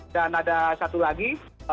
dan ada satu lagi